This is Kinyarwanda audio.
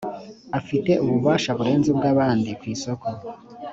afite ububasha burenze ubw abandi ku isoko